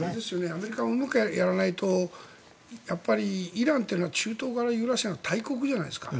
アメリカはやっぱり、イランというのは中東からユーラシアの大国じゃないですか。